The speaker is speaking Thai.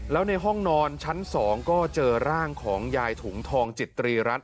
แล้วในห้องนอนชั้น๒ก็เจอร่างของยายถุงทองจิตรีรัฐ